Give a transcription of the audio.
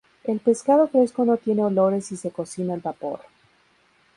El pescado fresco no tiene olores y se cocina al vapor.